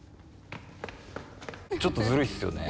ちょっとずるいっすよね。